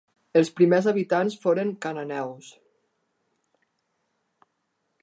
Els primers habitants foren cananeus.